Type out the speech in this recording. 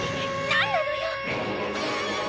何なのよ！